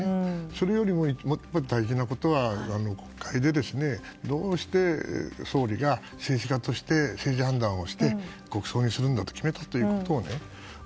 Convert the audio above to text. それよりも大事なことは国会で、どうして総理が政治家として政治判断をして国葬にするんだと決めたのかということをね。